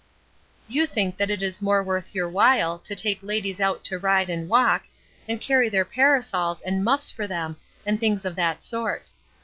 "You think that it is more worth your while to take ladies out to ride and walk, and carry their parasols and muffs for them, and things of that sort.